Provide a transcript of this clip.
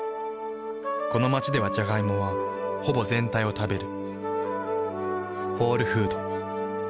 この街ではジャガイモはほぼ全体を食べる。